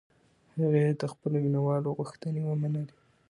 هغې د خپلو مینهوالو غوښتنې ومنلې.